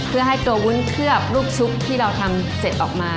เพื่อให้ตัววุ้นเคลือบลูกซุปที่เราทำเสร็จออกมา